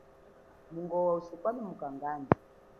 Mungowa ushikwalumuka ngandu.